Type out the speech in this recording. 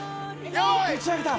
「打ち上げた。